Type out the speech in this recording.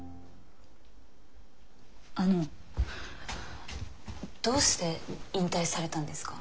あのどうして引退されたんですか？